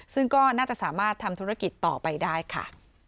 ซึ่งก็น่าจะสามารถทำธุรกิจต่อไปได้ค่ะ